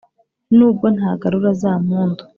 Nubwo ntagarura za mpundu